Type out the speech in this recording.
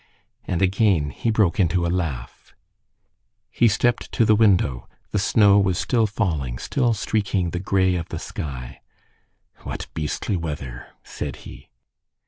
And again he broke into a laugh. He stepped to the window. The snow was still falling, and streaking the gray of the sky. "What beastly weather!" said he.